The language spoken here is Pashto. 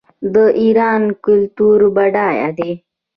د ایران کلتور بډایه دی.